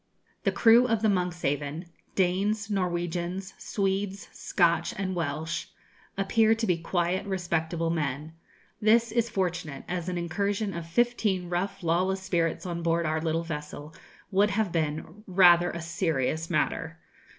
The crew of the 'Monkshaven' Danes, Norwegians, Swedes, Scotch, and Welsh appear to be quiet, respectable men. This is fortunate, as an incursion of fifteen rough lawless spirits on board our little vessel would have been rather a serious matter.